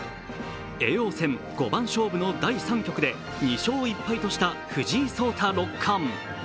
叡王戦五番勝負の第３局で２勝１敗とした藤井聡太六冠。